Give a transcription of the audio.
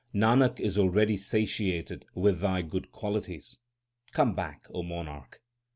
Nanak is already satiated with thy good qualities ; come back, O monarch.